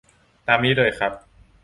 ตามนี้เลยครับ